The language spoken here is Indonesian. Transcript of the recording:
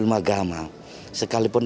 dan seorang yang berpengalaman